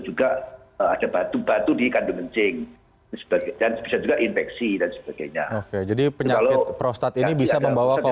juga ada batu batu di kandung kencing dan sebagainya jadi penyakit prostat ini bisa membawa